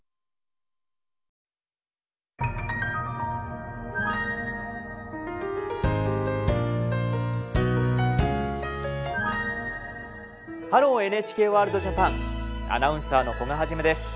アナウンサーの古賀一です。